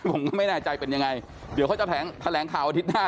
ผมก็ไม่แน่ใจเป็นยังไงเดี๋ยวเขาจะแถลงข่าวอาทิตย์หน้า